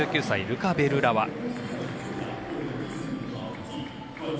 １９歳、ルカ・ベルラワ。